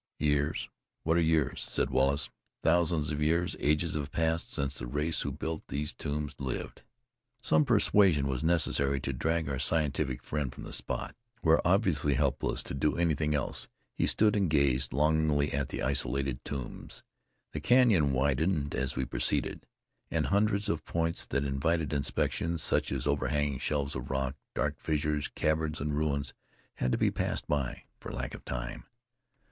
"Years! What are years?" said Wallace. "Thousands of years, ages have passed since the race who built these tombs lived." Some persuasion was necessary to drag our scientific friend from the spot, where obviously helpless to do anything else, he stood and gazed longingly at the isolated tombs. The canyon widened as we proceeded; and hundreds of points that invited inspection, such as overhanging shelves of rock, dark fissures, caverns and ruins had to be passed by, for lack of time.